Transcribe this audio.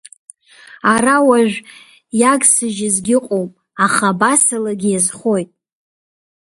Ара уажә иагсыжьызгьы ыҟоуп, аха абасалагьы иазхоит.